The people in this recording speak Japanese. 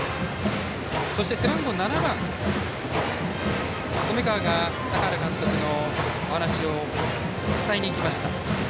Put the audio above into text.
背番号７番、染川が坂原監督の話を伝えに行きました。